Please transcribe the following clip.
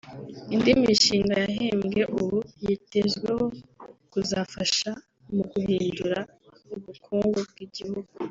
Indi mishinga yahembwe ubu yitezweho kuzafasha mu guhindura ubukungu bw’igihugu